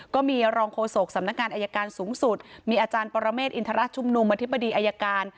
ก็มีรองโฆษกสำนักงานอายการสูงสุดมีอาจารย์ปรเมฆอินทรชุมนุมอธิบดีอายการ